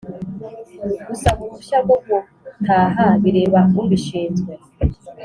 Gusaba uruhushya rwo gutaha bireba ubishinzwe.